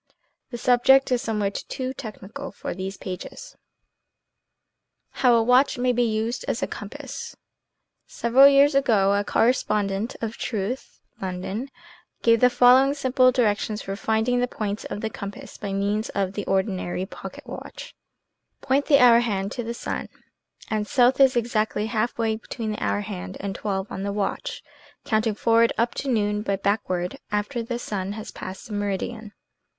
The subject is somewhat too technical for these pages. 133 HOW A WATCH MAY BE USED AS A COMPASS EVERAL years ago a correspondent of " Truth " (London) gave the following simple directions for finding the points of the compass by means of the ordinary pocket watch :" Point the hour hand to the sun, and south is exactly half way between the hour hand and twelve on the watch, counting forward up to noon, but backward after the sun has passed the meridian."